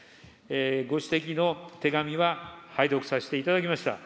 ご指摘の手紙は、拝読させていただきました。